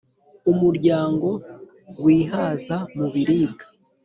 umuryango wihaza mu biribwa